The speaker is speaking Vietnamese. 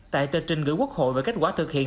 tại tờ trình gửi quốc hội về kết quả thực hiện